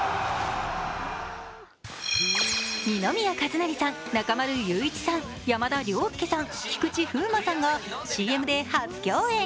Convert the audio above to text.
二宮和也さん、中丸雄一さん、山田涼介さん、菊池風磨さんがＣＭで初共演。